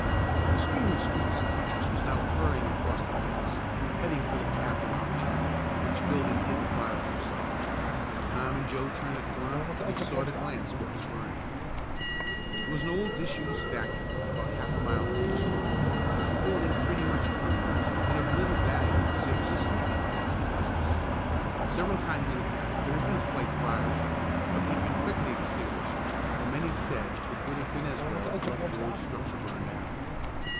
A stream of students and teachers was now hurrying across the campus, heading for the path around the chapel, which building hid the fire from sight. As Tom and Joe turned the corner they saw at a glance what was burning. It was an old disused factory about half a mile from the school, a building pretty much in ruins and of little value save as a sleeping place for tramps. Several times in the past there had been slight fires there but they had been quickly extinguished, though many said it would have been as well to let the old structure burn down.